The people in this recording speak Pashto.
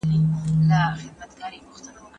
موږ تېر ماښام په یو لوی باغ کې وو.